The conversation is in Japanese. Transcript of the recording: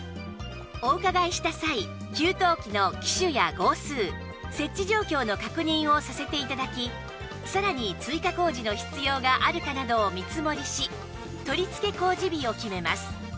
お伺いした際給湯器の機種や号数設置状況の確認をさせて頂きさらに追加工事の必要があるかなどを見積もりし取り付け工事日を決めます